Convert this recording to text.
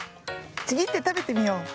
ちぎってたべてみよう。